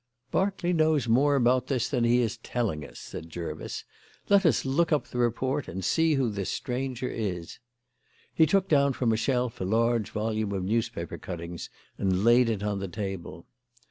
"Berkeley knows more about this than he is telling us," said Jervis. "Let us look up the report and see who this stranger is." He took down from a shelf a large volume of newspaper cuttings and laid it on the table.